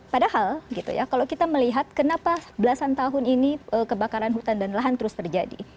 padahal gitu ya kalau kita melihat kenapa belasan tahun ini kebakaran hutan dan lahan terus terjadi